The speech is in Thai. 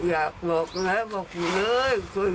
อยากบอกนะบอกทุกอย่างเลย